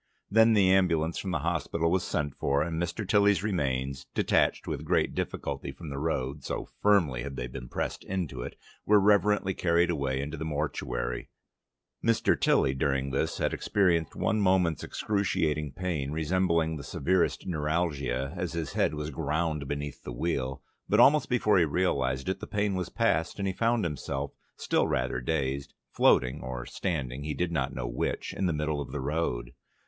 Then the ambulance from the hospital was sent for, and Mr. Tilly's remains, detached with great difficulty from the road (so firmly had they been pressed into it), were reverently carried away into the mortuary Mr. Tilly during this had experienced one moment's excruciating pain, resembling the severest neuralgia as his head was ground beneath the wheel, but almost before he realised it, the pain was past, and he found himself, still rather dazed, floating or standing (he did no know which) in the middle of the road.